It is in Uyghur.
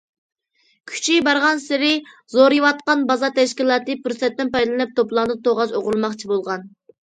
كۈچى بارغانسېرى زورىيىۋاتقان« بازا» تەشكىلاتى پۇرسەتتىن پايدىلىنىپ توپىلاڭدىن توقاچ ئوغرىلىماقچى بولغان.